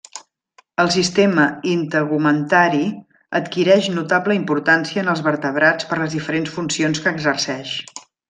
El sistema integumentari adquireix notable importància en els vertebrats per les diferents funcions que exerceix.